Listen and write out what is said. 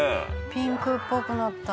「ピンクっぽくなった」